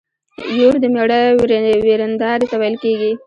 يور د مېړه ويرنداري ته ويل کيږي.